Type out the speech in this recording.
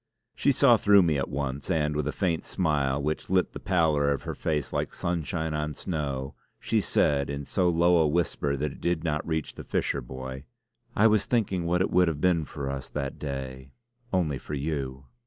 She saw through me at once, and with a faint smile, which lit the pallor of her face like sunshine on snow, she said in so low a whisper that it did not reach the fisher boy: "I was thinking what it would have been for us that day only for you."